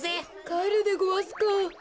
かえるでごわすか。